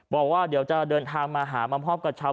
บอกว่าเดี่ยวจะเดินทางมาหามะมะฆอพกับเช้า